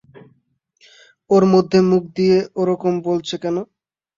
ওর মধ্যে মুখ দিয়ে ওরকম বলচে কেন?